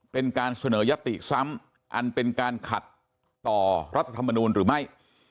เป็นการเสนอยติซ้ำอันเป็นการขัดต่อรัฐธรรมนูลหรือไม่